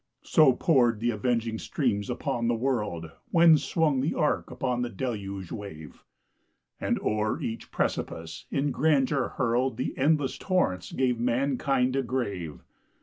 So poured the avenging streams upon the world When swung the ark upon the deluge wave, And, o'er each precipice in grandeur hurled, The endless torrents gave mankind a grave.